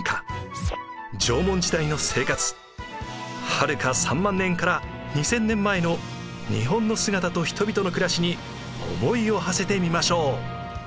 はるか３万年から２，０００年前の日本の姿と人々の暮らしに思いをはせてみましょう。